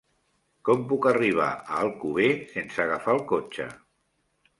Com puc arribar a Alcover sense agafar el cotxe?